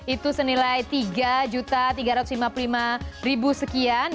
itu senilai tiga tiga ratus lima puluh lima sekian